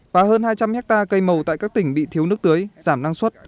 và hơn hai trăm linh hectare cây màu tại các tỉnh bị thiếu nước tưới giảm năng suất